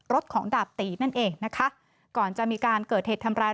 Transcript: รถของดาบตีนั่นเองนะคะก่อนจะมีการเกิดเหตุทำร้าย